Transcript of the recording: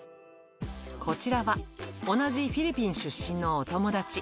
こちらは、同じフィリピン出身のお友達。